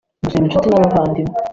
gusura inshuti n’abavandimwe